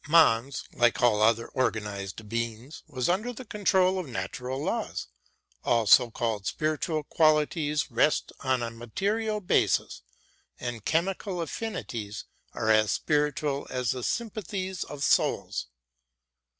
Måns, like all other organised beings, was under the control of natural laws; all so called spiritual qualities rest on a material basis, and chemical affinities are as spiritual as the sympathies of souls.